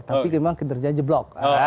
tapi memang kinerja jeblok